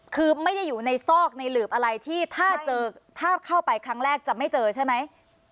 คือไม่ได้อยู่ในซอกในหลืบอะไรที่ถ้าเจอถ้าเข้าไปครั้งแรกจะไม่เจอใช่ไหม